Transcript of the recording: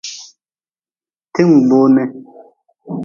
Ti-n gbuu ni.